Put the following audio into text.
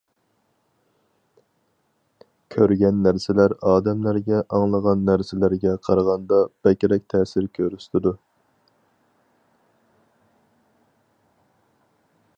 كۆرگەن نەرسىلەر ئادەملەرگە ئاڭلىغان نەرسىلەرگە قارىغاندا بەكرەك تەسىر كۆرسىتىدۇ.